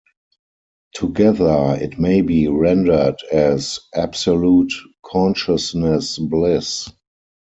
Together, it may be rendered as "Absolute Consciousness Bliss".